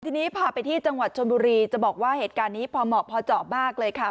ทีนี้พาไปที่จังหวัดชนบุรีจะบอกว่าเหตุการณ์นี้พอเหมาะพอเจาะมากเลยค่ะ